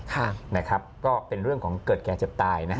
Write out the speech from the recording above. ก็เป็นเรื่องของเกิดแก่เจ็บตาย